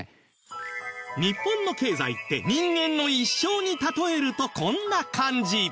日本の経済って人間の一生に例えるとこんな感じ